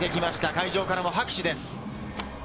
会場からも拍手です。